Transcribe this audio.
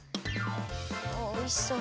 おいしそう。